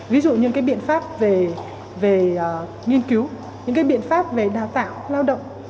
ví dụ như cái biện pháp về nghiên cứu những cái biện pháp về đào tạo lao động